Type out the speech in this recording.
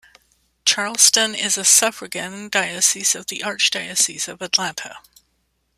Charleston is a suffragan diocese of the Archdiocese of Atlanta.